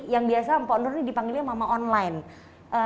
yang biasa mpok nur ini dipanggilnya mama online